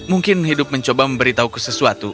mungkin hidup mencoba memberitahuku sesuatu